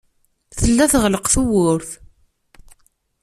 Tella teɣleq tewwurt.